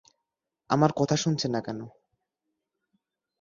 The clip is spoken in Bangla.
আমার কথা শুনছেন না কেন?